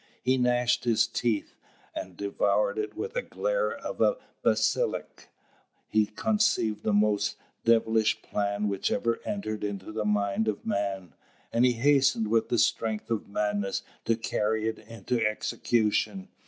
He gnashed his teeth, and devoured it with the glare of a basilisk. He conceived the most devilish plan which ever entered into the mind of man, and he hastened with the strength of madness to carry it into execution.